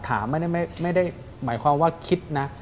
ถามไม่ได้หมายความว่าคิดนะ